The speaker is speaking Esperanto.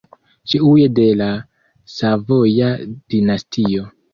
Ĉiuj de la Savoja dinastio.